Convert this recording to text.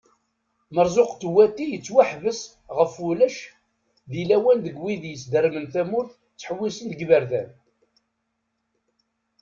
Marzuq Tewwati yettwaḥbes ɣef ulac di lawan deg wid yesdermen tamurt ttḥewissen deg iberdan.